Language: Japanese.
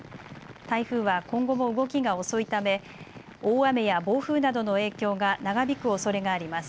台風は今後も動きが遅いため大雨や暴風などの影響が長引くおそれがあります。